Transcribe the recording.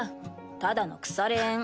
ただの腐れ縁。